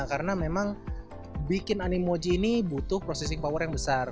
karena memang bikin animoji ini butuh processing power yang besar